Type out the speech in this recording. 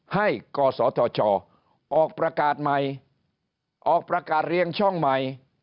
กศธชออกประกาศใหม่ออกประกาศเรียงช่องใหม่